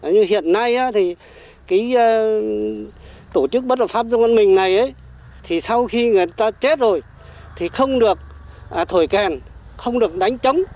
như hiện nay thì cái tổ chức bất hợp pháp do ngân minh này ấy thì sau khi người ta chết rồi thì không được thổi kèn không được đánh chống